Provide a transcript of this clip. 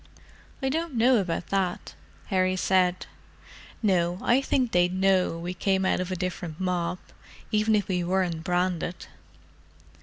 "I don't know about that," Harry said. "No, I think they'd know we came out of a different mob, even if we weren't branded."